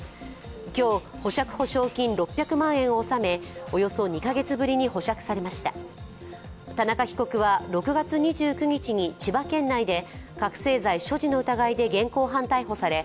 今日、保釈保証金６００万円を納めおよそ２カ月ぶりに保釈されました田中被告は６月２９日に千葉県内で覚醒剤所持の疑いで現行犯逮捕され、